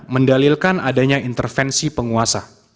mendalilkan adanya intervensi penguasa